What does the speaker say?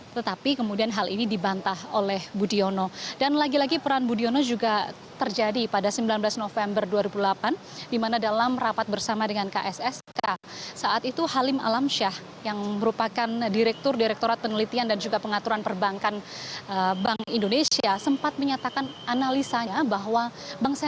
tetapi kemudian hal ini dibahas